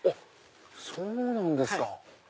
そうなんですか。